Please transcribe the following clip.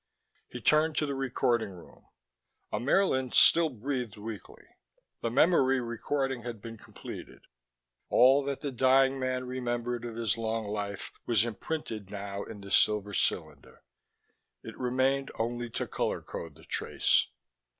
He turned to the recording room. Ammaerln still breathed weakly. The memory recording had been completed; all that the dying man remembered of his long life was imprinted now in the silver cylinder. It remained only to color code the trace.